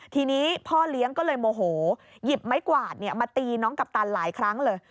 ทีนี้พ่อเลี้ยงก็เลยโมโหหยิบไม้กวาดมาตีน้องกัปตันหลายครั้งเลย